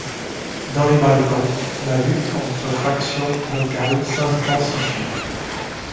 Dans les Balkans, la lutte entre factions locales s'intensifie.